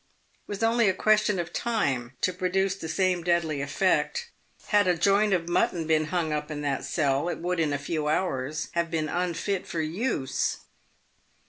It was only a question of time to produce the same deadly effect. Had a joint of mutton been hung up in that cell, it would in a few hours have been unfit for use.